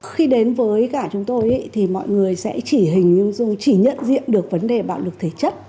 khi đến với cả chúng tôi thì mọi người sẽ chỉ nhận diện được vấn đề bạo lực thể chất